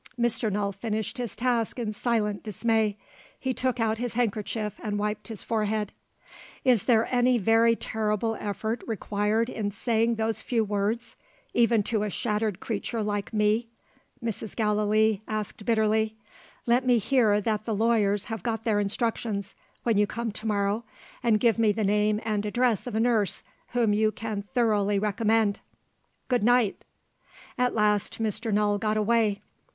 Mr. Null finished his task in silent dismay. He took out his handkerchief and wiped his forehead. "Is there any very terrible effort required in saying those few words even to a shattered creature like me?" Mrs. Gallilee asked bitterly. "Let me hear that the lawyers have got their instructions, when you come to morrow; and give me the name and address of a nurse whom you can thoroughly recommend. Good night!" At last, Mr. Null got away.